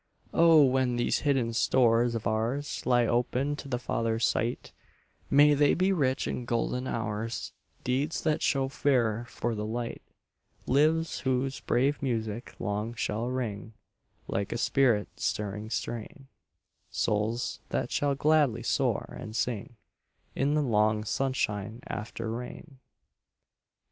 Oh, when these hidden stores of ours Lie open to the Father's sight, May they be rich in golden hours, Deeds that show fairer for the light, Lives whose brave music long shall ring, Like a spirit stirring strain, Souls that shall gladly soar and sing In the long sunshine after rain.